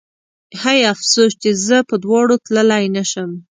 هی افسوس چې زه په دواړو تللی نه شم